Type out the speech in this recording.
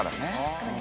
確かに。